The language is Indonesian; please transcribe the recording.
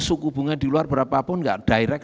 suku bunga di luar berapa pun enggak direct